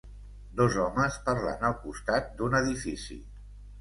Dos homes parlant al costat d'un edifici.